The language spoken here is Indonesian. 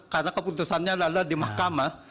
karena keputusannya adalah di mahkamah